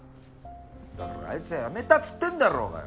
だからあいつは辞めたっつってんだろうがよ！